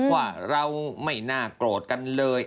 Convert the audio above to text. ว่าเราไม่น่าโกรธกันเลย